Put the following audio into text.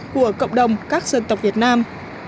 của cộng đồng các dân tộc việt nam